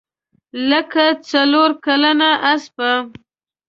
لکه څلورکلنه اسپه.